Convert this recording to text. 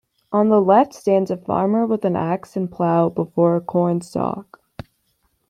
On the left stands a farmer with an ax and plow before a cornstalk.